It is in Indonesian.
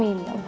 amin ya allah